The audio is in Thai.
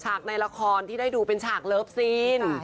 ในละครที่ได้ดูเป็นฉากเลิฟซีน